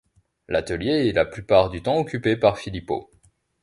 L'atelier est la plupart du temps occupé par Filippo.